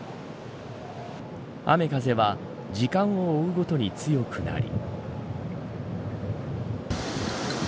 雨風は時間を追うごとに強くなり。